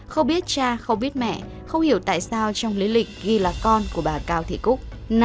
không biết cha không biết mẹ không hiểu tại sao trong lý lịch ghi là con của bà cao thị cúc